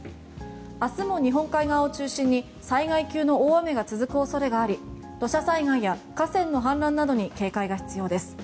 明日も日本海側を中心に災害級の大雨が続く恐れがあり土砂災害や河川の氾濫などに警戒が必要です。